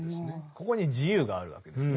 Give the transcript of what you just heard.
ここに自由があるわけですね。